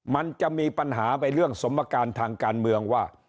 มันจะมีปัญหาไปเรื่องสมการทางการเมืองว่า